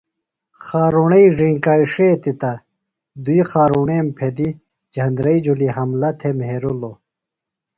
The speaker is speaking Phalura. خارُݨئی زینکاݜیتیۡ تہ دُوئی خارݨے پھیدیۡ جھندرئی جُھلیۡ حملہ تھےۡ مھرِلوۡ۔